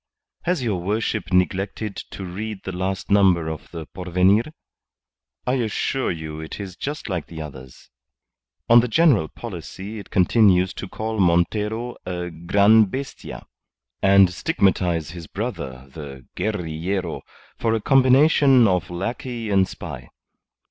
"Has your worship neglected to read the last number of the Porvenir? I assure you it is just like the others. On the general policy it continues to call Montero a gran' bestia, and stigmatize his brother, the guerrillero, for a combination of lackey and spy.